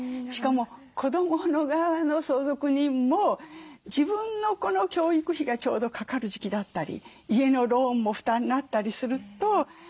しかも子どもの側の相続人も自分の子の教育費がちょうどかかる時期だったり家のローンも負担になったりすると。